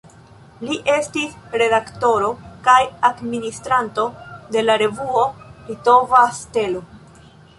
Li estis redaktoro kaj administranto de la revuo "Litova Stelo".